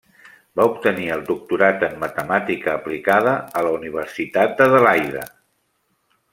Va obtenir el doctorat en Matemàtica aplicada a la Universitat d'Adelaide.